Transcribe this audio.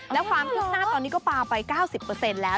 แล้วความคืบหน้าตอนนี้ก็ปลาไป๙๐แล้ว